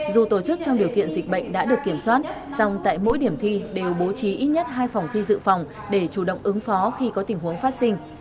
dù tổ chức trong điều kiện dịch bệnh đã được kiểm soát song tại mỗi điểm thi đều bố trí ít nhất hai phòng thi dự phòng để chủ động ứng phó khi có tình huống phát sinh